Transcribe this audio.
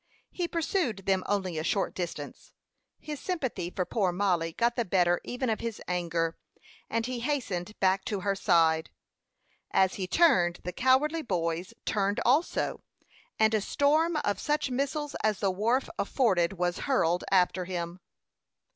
He pursued them only a short distance; his sympathy for poor Mollie got the better even of his anger, and he hastened back to her side. As he turned, the cowardly boys turned also, and a storm of such missiles as the wharf afforded was hurled after him.